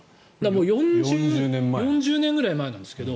もう４０年ぐらい前なんですけど。